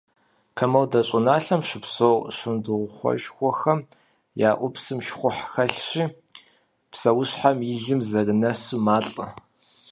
Комодо щӏыналъэм щыпсэу шындрыхъуоушхуэхэм я ӏупсым щхъухь хэлъщи, псэущхьэм и лъым зэрынэсу малӏэ.